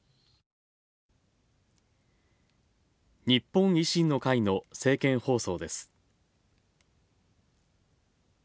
日本維新の会の政見放送です。